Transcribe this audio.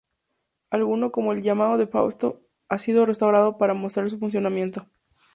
Alguno, como el llamado "de Fausto", ha sido restaurado para mostrar su funcionamiento.